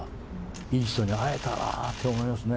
いい人に会えたなって思いますね。